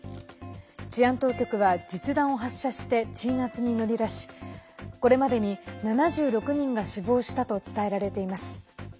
治安当局は実弾を発射して鎮圧に乗り出しこれまでに７６人が死亡したと伝えられています。